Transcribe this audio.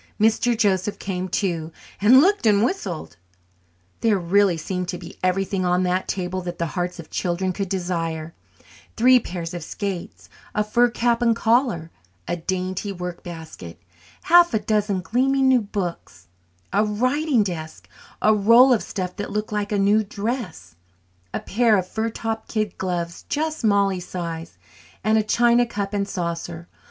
Mr. Joseph came too, and looked and whistled. There really seemed to be everything on that table that the hearts of children could desire three pairs of skates, a fur cap and collar, a dainty workbasket, half a dozen gleaming new books, a writing desk, a roll of stuff that looked like a new dress, a pair of fur topped kid gloves just Mollie's size, and a china cup and saucer.